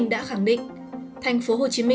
đã khẳng định tp hcm